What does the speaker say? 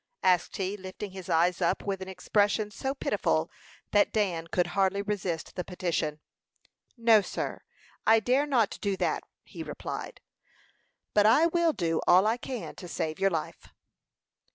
asked he, lifting his eyes up with an expression so pitiful that Dan could hardly resist the petition. "No, sir. I dare not do that," he replied. "But I will do all I can to save your life."